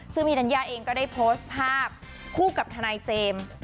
ซึ่งพี่ธัญญาเองก็ได้โพสต์ภาพคู่กับทนายเจมส์